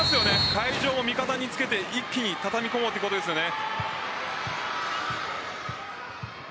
会場を味方につけて一気に畳み込もうということですよね。